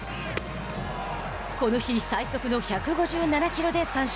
この日、最速の１５７キロで三振。